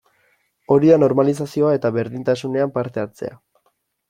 Hori da normalizazioa eta berdintasunean parte hartzea.